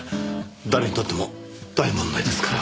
誰にとっても大問題ですから。